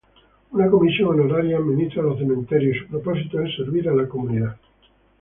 Una Comisión Honoraria Administra los Cementerios y su propósito es servir a la comunidad.